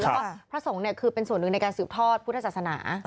แล้วก็พระสงฆ์คือเป็นส่วนหนึ่งในการสืบทอดพุทธศาสนา